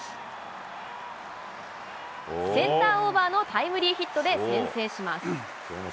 センターオーバーのタイムリーヒットで先制します。